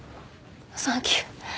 サンキュー。